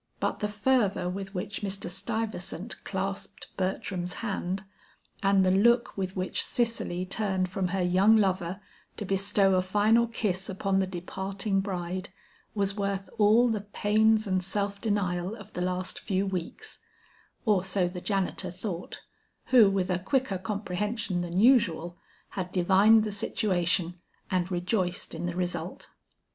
But the fervor with which Mr. Stuyvesant clasped Bertram's hand, and the look with which Cicely turned from her young lover to bestow a final kiss upon the departing bride, was worth all the pains and self denial of the last few weeks or so the janitor thought, who with a quicker comprehension than usual, had divined the situation and rejoiced in the result.